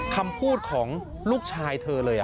คำพูดของลูกชาย